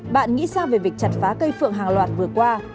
bạn nghĩ sao về việc chặt phá cây phượng hàng loạt vừa qua